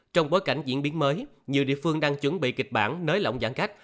trong bối cảnh diễn biến mới nhiều địa phương đang chuẩn bị kịch bản nới lỏng giãn cách